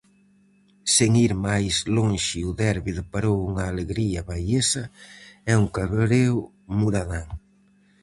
Sen ir máis lonxe o derbi deparou unha alegría baiesa e un cabreo muradán.